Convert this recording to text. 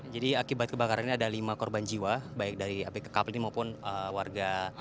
jadi akibat kebakaran ini ada lima korban jiwa baik dari api kekap ini maupun warga